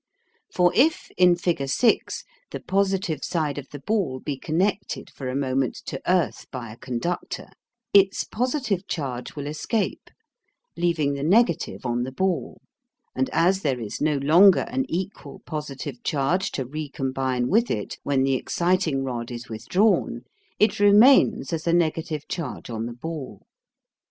For if in figure 6 the positive side of the ball be connected for a moment to earth by a conductor, its positive charge will escape, leaving the negative on the ball, and as there is no longer an equal positive charge to recombine with it when the exciting rod is withdrawn, it remains as a negative charge on the ball.